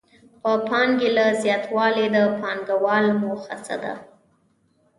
د پانګې له زیاتوالي د پانګوال موخه څه ده